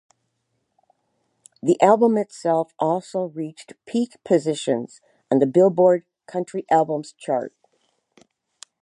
The album itself also reached peak positions on the "Billboard" country albums chart.